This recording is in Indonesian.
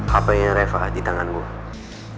hape nya reva di tangan gue